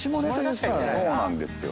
そうなんですよ。